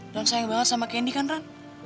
dan sayang banget sama kendi kan ran